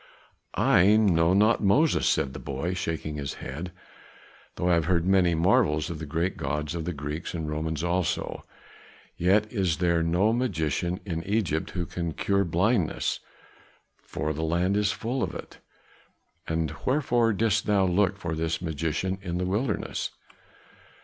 "I know not Moses," said the boy, shaking his head. "Though I have heard many marvels of the great gods of the Greeks and Romans also. Yet is there no magician in Egypt who can cure blindness, for the land is full of it." "And wherefore didst thou look for this magician in the wilderness?"